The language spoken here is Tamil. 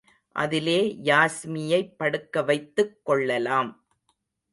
அதிலே யாஸ்மியைப் படுக்க வைத்துக் கொள்ளலாம்.